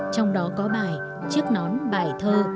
trong đó có bài chiếc nón bài thơ